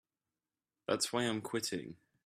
That's why I'm quitting.